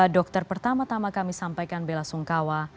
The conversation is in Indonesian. dokter pertama tama kami sampaikan bela sungkawa